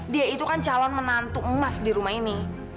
dia itu kan calon menantu emas di rumah ini